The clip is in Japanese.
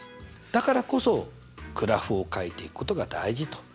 だからこそグラフをかいていくことが大事と。